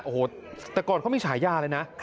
โอ้โหแต่ก่อนเขามีฉายาเลยนะ